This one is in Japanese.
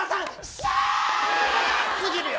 すぎるよ。